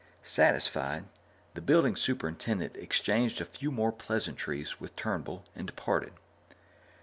Satisfied, the building superintendent exchanged a few more pleasantries with Turnbull and departed.